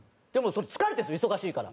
疲れてるんですよ忙しいから。